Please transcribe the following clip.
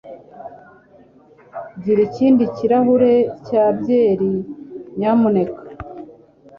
Gira ikindi kirahure cya byeri, nyamuneka.